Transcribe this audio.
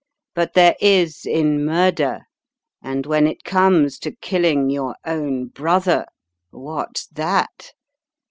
"But there is in murder and when it comes to killing your own brother — what's that?